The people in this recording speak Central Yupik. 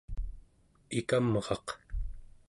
ikamraq